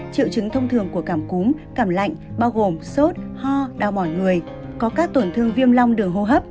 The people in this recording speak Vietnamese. triệu chứng thông thường của cảm cúm cảm lạnh bao gồm sốt ho đau mỏi người có các tổn thương viêm long đường hô hấp